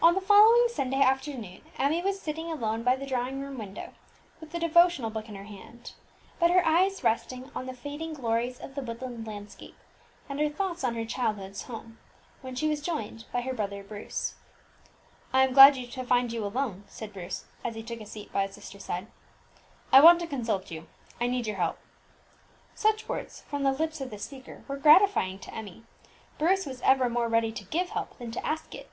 On the following Sunday afternoon Emmie was sitting alone by the drawing room window, with a devotional book in her hand, but her eyes resting on the fading glories of the woodland landscape, and her thoughts on her childhood's home, when she was joined by her brother Bruce. "I am glad to find you alone," said Bruce, as he took a seat by his sister's side; "I want to consult you, I need your help." Such words from the lips of the speaker were gratifying to Emmie; Bruce was ever more ready to give help than to ask it.